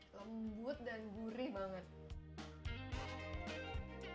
lembut dan gurih banget